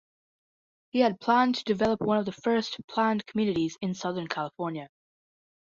He had planned to develop one of the first planned communities in Southern California.